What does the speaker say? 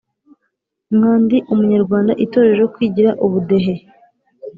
nka ndi umunyarwanda, itorero, kwigira, ubudehe,